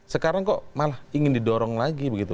sekarang kok malah ingin didorong lagi begitu